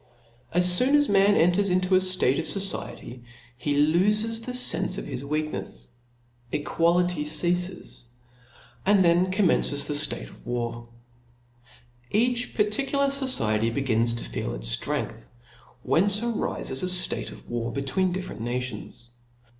A S foon as mankind enter into a ftate of fociety. Book ■^^ they lofe the fenfe of their weaknefs ; equality chap.* 3. ceafes, and then commcnices the ftate of war.. Each particular fociety begins to feel its ftrength, whence arifes a ftate of war betwixt different nations.